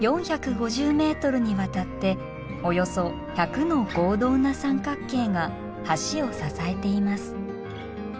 ４５０ｍにわたっておよそ１００の合同な三角形が橋を支えています。